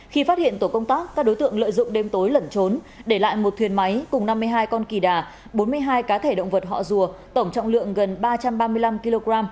khi phát hiện tổ công tác các đối tượng lợi dụng đêm tối lẩn trốn để lại một thuyền máy cùng năm mươi hai con kỳ đà bốn mươi hai cá thể động vật họ rùa tổng trọng lượng gần ba trăm ba mươi năm kg